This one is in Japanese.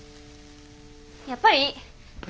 やっぱりいい。え？